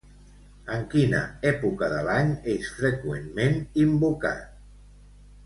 En quina època de l'any és freqüentment invocat?